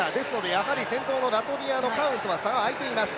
やはり先頭のラトビアのカウンとはまたあいています。